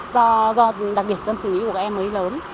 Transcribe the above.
do đặc biệt tâm suy nghĩ của các em mới lớn